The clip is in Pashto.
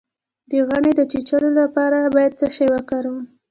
د غڼې د چیچلو لپاره باید څه شی وکاروم؟